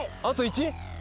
あと１？